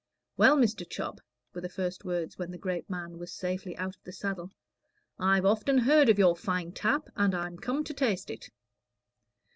"Well, Mr. Chubb," were the first words when the great man was safely out of the saddle, "I've often heard of your fine tap, and I'm come to taste it."